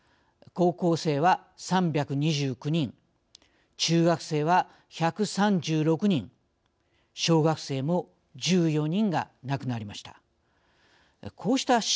高校生は、３２９人中学生は、１３６人小学生も１４人が亡くなりました。